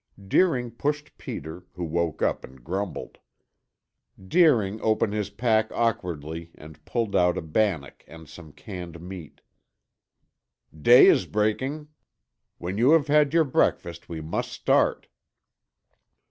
Deering pushed Peter, who woke up and grumbled. Deering open his pack awkwardly and pulled out a bannock and some canned meat. "Day is breaking. When you have had your breakfast we must start."